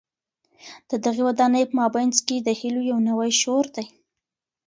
د دغي ودانۍ په مابينځ کي د هیلو یو نوی شور دی.